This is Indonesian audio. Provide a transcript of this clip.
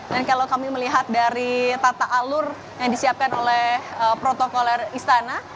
kalau kami melihat dari tata alur yang disiapkan oleh protokoler istana